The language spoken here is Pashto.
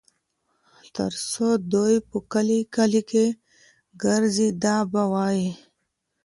تر څو دوى په کلي کلي ګرځي دا به وايي